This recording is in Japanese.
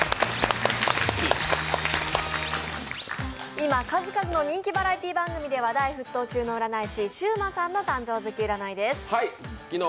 今、数々の人気バラエティー番組で話題沸騰中の占い師、シウマさんの誕生月占いです。